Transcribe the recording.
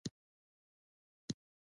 که ګاونډی خوښ وي، ته هم خوشحاله شه